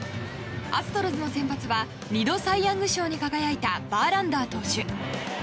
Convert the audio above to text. アストロズの先発は２度、サイ・ヤング賞に選ばれたバーランダー投手。